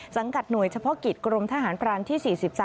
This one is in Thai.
สังกัดหน่วยเฉพาะกิจกรมทหารพลาณที่๔๓